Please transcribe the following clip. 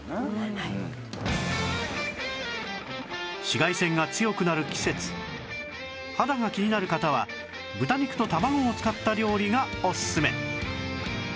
紫外線が強くなる季節肌が気になる方は豚肉と卵を使った料理がオススメ